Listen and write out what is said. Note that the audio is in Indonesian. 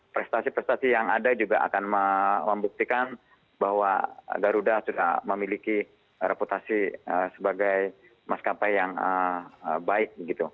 prestasi prestasi yang ada juga akan membuktikan bahwa garuda sudah memiliki reputasi sebagai maskapai yang baik